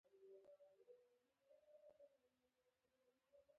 هولمز په حیرانتیا وویل چې ایا ته نه ځې